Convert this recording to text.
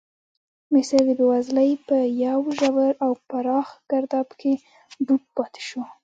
مصر د بېوزلۍ په یو ژور او پراخ ګرداب کې ډوب پاتې شو.